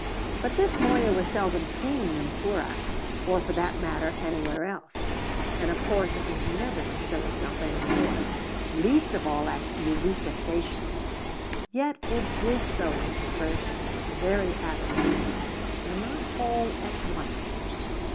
But this Moya was seldom seen in Toorak, or, for that matter, anywhere else; and, of course, it was never to show itself any more, least of all at Eureka Station. Yet it did so this first, this very afternoon, though not all at once.